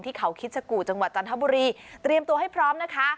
เขาคิดชะกู่จังหวัดจันทบุรีเตรียมตัวให้พร้อมนะคะ